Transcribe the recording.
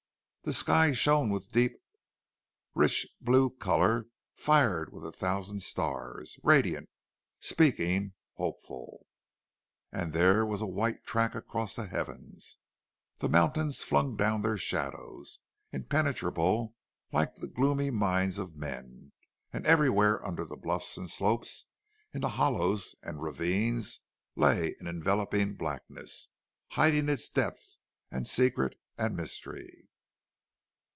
The sky shone with deep, rich blue color fired with a thousand stars, radiant, speaking, hopeful. And there was a white track across the heavens. The mountains flung down their shadows, impenetrable, like the gloomy minds of men; and everywhere under the bluffs and slopes, in the hollows and ravines, lay an enveloping blackness, hiding its depth and secret and mystery.